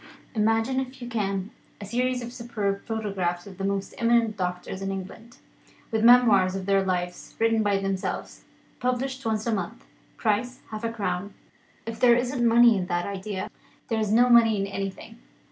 Imagine (if you can) a series of superb photographs of the most eminent doctors in England, with memoirs of their lives written by themselves; published once a month, price half a crown. If there isn't money in that idea, there is no money in anything.